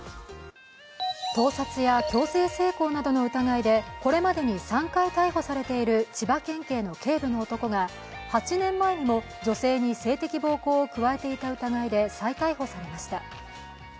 盗撮や強制性交などの疑いでこれまでに３回逮捕されている千葉県警の警部の男が８年前にも女性に性的暴行を加えていた疑いで再逮捕されました。